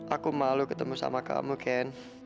aku malu ketemu sama kamu ken